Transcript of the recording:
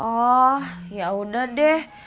oh ya udah deh